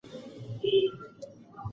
انا وویل چې زه باید له ماشوم سره نرمي وکړم.